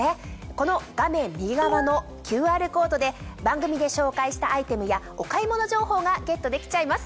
この画面右側のＱＲコードで番組で紹介したアイテムやお買い物情報がゲットできちゃいます。